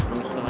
udah ya